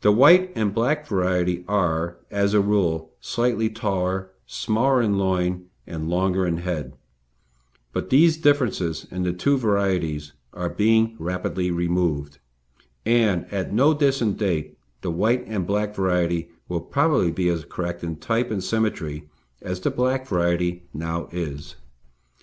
The white and black variety are, as a rule, slightly taller, smaller in loin and longer in head, but these differences in the two varieties are being rapidly removed, and at no distant date the white and black variety will probably be as correct in type and symmetry as the black variety now is.